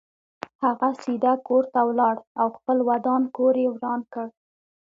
هغه سیده کور ته ولاړ او خپل ودان کور یې وران کړ.